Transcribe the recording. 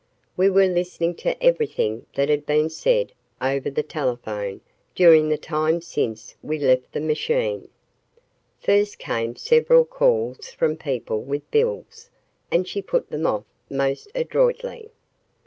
We were listening to everything that had been said over the telephone during the time since we left the machine. First came several calls from people with bills and she put them off most adroitly.